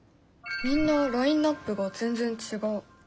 みんなラインナップが全然違う。